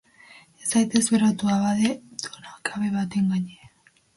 Ez zaiteze berotu abade dohakabe baten gainera.